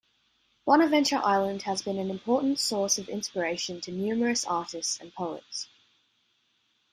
Bonaventure Island has been an important source of inspiration to numerous artists and poets.